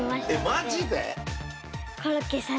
マジで？